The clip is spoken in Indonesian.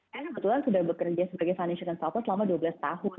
saya kebetulan sudah bekerja sebagai financial and support selama dua belas tahun